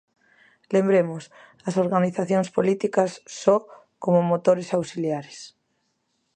Lembremos: as organizacións políticas só como motores auxiliares.